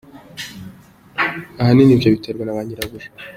Ahanini ibyo biterwa na ba nyirabuja.